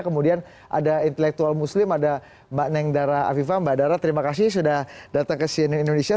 kemudian ada intelektual muslim ada mbak neng dara afifah mbak dara terima kasih sudah datang ke cnn indonesia